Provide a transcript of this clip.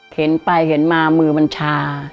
เห็นไปเห็นมามือมันชา